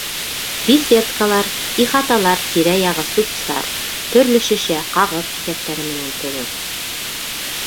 Беседкалар, ихаталар тирә-яғы сүп-сар, төрлө шешә, ҡағыҙ киҫәктәре менән тулы.